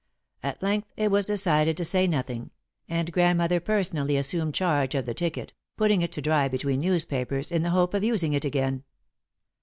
At length it was decided to say nothing, and Grandmother personally assumed charge of the ticket, putting it to dry between newspapers in the hope of using it again.